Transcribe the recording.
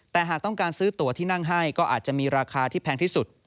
แต่หากต้องการซื้อตัวที่นั่งให้ก็อาจจะมีราคาที่แพงที่สุด